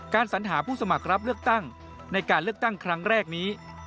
สัญหาผู้สมัครรับเลือกตั้งในการเลือกตั้งครั้งแรกนี้